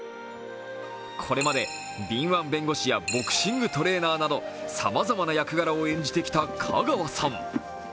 これまで敏腕弁護士やボクシングトレーナーなどさまざまな役柄を演じてきた香川さん。